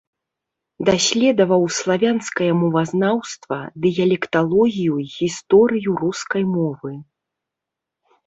Даследаваў славянскае мовазнаўства, дыялекталогію і гісторыю рускай мовы.